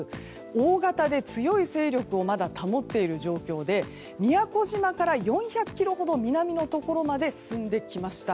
大型で強い勢力をまだ保っている状況で宮古島から４００ｋｍほど南のところまで進んできました。